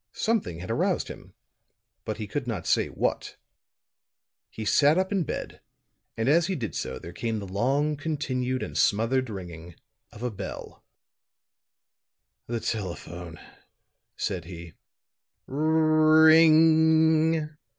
Something had aroused him; but he could not say what. He sat up in bed, and as he did so there came the long continued and smothered ringing of a bell. "The telephone," said he. "R r r r ring g!"